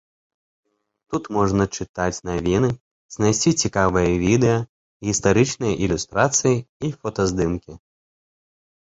Тут можна чытаць навіны, знайсці цікавыя відэа, гістарычныя ілюстрацыі і фотаздымкі.